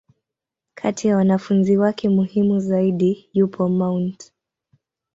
Kati ya wanafunzi wake muhimu zaidi, yupo Mt.